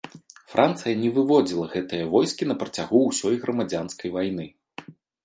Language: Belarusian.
Францыя не выводзіла гэтыя войскі на працягу ўсёй грамадзянскай вайны.